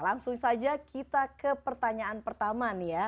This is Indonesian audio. langsung saja kita ke pertanyaan pertama nih ya